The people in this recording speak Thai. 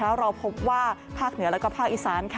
แล้วเราพบว่าภาคเหนือและภาคอีสาน